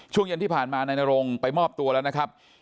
ช่วงเย็นที่ผ่านมานายนรงไปมอบตัวแล้วนะครับ